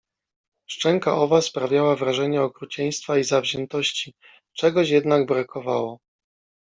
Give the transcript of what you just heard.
Szczęka owa sprawiała wrażenie okrucieństwa i zawziętości. Czegoś jednak brakowało.